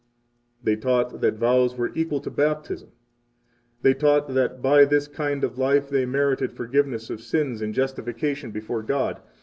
11 They taught that vows were equal to Baptism; they taught that by this kind of life they merited forgiveness of sins and justification before God.